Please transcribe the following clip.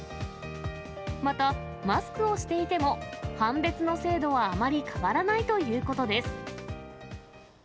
またマスクをしていても、判別の制度はあまり変わらないということです。